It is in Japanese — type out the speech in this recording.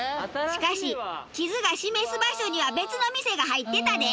しかし地図が示す場所には別の店が入ってたで。